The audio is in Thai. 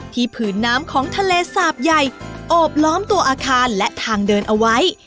ผืนน้ำของทะเลสาบใหญ่โอบล้อมตัวอาคารและทางเดินเอาไว้